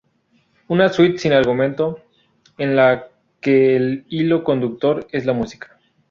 Una suite sin argumento, en la que el hilo conductor es la música.